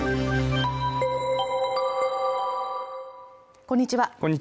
こんにちは